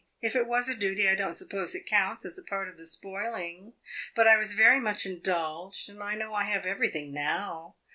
If it was a duty, I don't suppose it counts as a part of the spoiling. But I was very much indulged, and I know I have everything now.